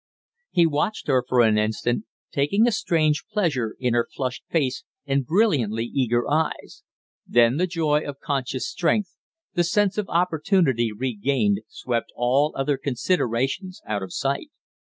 He watched her for an instant, taking a strange pleasure in her flushed face and brilliantly eager eyes; then the joy of conscious strength, the sense of opportunity regained, swept all other considerations out of sight.